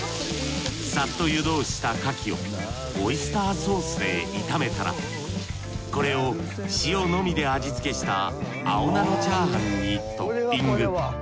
さっと湯通ししたカキをオイスターソースで炒めたらこれを塩のみで味付けした青菜のチャーハンにトッピング。